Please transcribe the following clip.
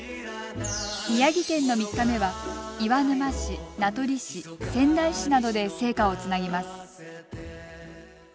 宮城県の３日目は岩沼市、名取市、仙台市などで聖火をつなぎます。